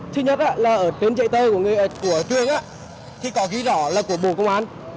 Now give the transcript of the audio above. thứ nhất là ở tên dạy tơ của trường thì có ghi rõ là của bộ công an